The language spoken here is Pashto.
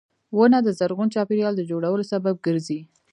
• ونه د زرغون چاپېریال د جوړېدو سبب ګرځي.